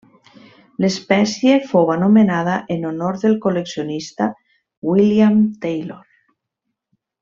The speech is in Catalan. L'espècie fou anomenada en honor del col·leccionista William Taylor.